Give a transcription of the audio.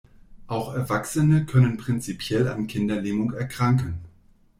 Auch Erwachsene können prinzipiell an Kinderlähmung erkranken.